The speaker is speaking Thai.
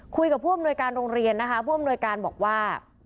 คุยกับผู้อำนวยการโรงเรียนนะคะผู้อำนวยการบอกว่า